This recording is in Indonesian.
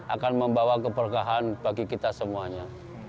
akan membawa keberkahan bagi kita semuanya